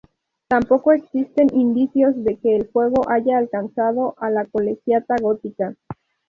Tampoco existen indicios de que el fuego haya alcanzado a la colegiata gótica.